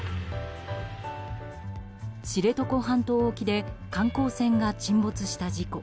知床半島沖で観光船が沈没した事故。